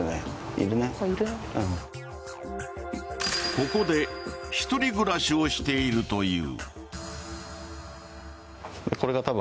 ここで一人暮らしをしているという。